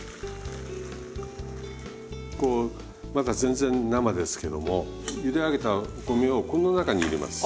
こうまだ全然生ですけどもゆで上げたお米をこの中に入れます。